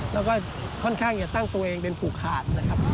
แล้วก็ค่อนข้างจะตั้งตัวเองเป็นผูกขาดนะครับ